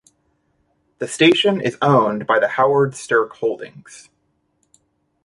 The station is owned by the Howard Stirk Holdings.